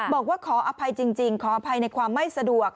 บอกว่าขออภัยจริงขออภัยในความไม่สะดวก